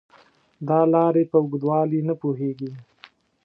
دا لارې په اوږدوالي نه پوهېږي .